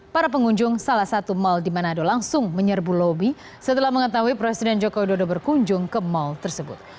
para pengunjung salah satu mal di manado langsung menyerbu lobi setelah mengetahui presiden joko widodo berkunjung ke mal tersebut